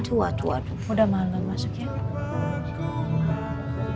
hai juga masuk ke dalam yuk yuk teman teman